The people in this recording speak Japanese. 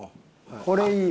これいいよ。